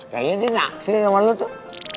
kayaknya dia naksir sama lo tuh